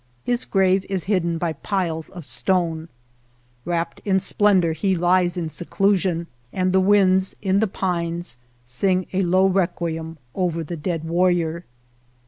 His grave is hidden by piles of stone. Wrapped in splen dor he lies in seclusion, and the winds in the pines sing a low requiem over the dead warrior.